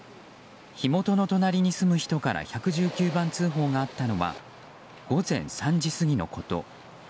火元の隣に住む人から１１９番通報があったのは午前３時過ぎのこと。